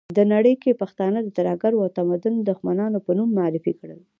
ده نړۍ کې پښتانه د ترهګرو او تمدن دښمنانو په نوم معرفي کړل.